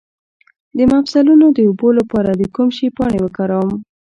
د مفصلونو د اوبو لپاره د کوم شي پاڼې وکاروم؟